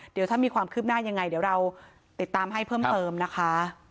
เดี๋ยวถ้ามีความคืบหน้ายังไงเดี๋ยวเราติดตามให้เพิ่มเติมนะคะ